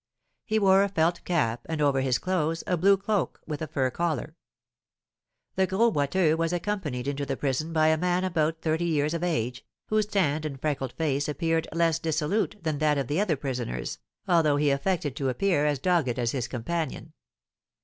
He wore a felt cap, and over his clothes a blue cloak with a fur collar. The Gros Boiteux was accompanied into the prison by a man about thirty years of age, whose tanned and freckled face appeared less dissolute than that of the other prisoners, although he affected to appear as dogged as his companion.